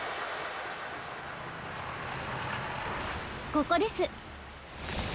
ここです。